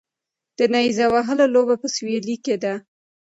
د نیزه وهلو لوبه په سویل کې ده